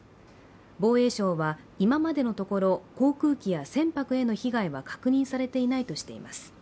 防衛省は今までのところ航空機や船舶への被害は確認されていないとしています。